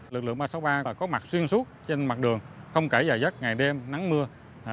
lực lượng ba trăm sáu mươi ba có mặt xuyên suốt trên mặt đường không kể giờ giấc ngày đêm nắng mưa